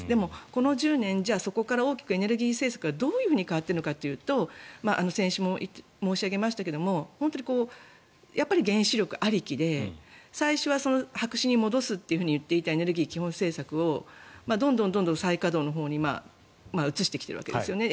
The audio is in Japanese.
この１０年、そこから大きくエネルギー政策がどう変わっているのかというと先週も申し上げましたがやっぱり原子力ありきで最初は白紙に戻すと言っていたエネルギー基本政策をどんどん再稼働のほうに移してきているわけですよね。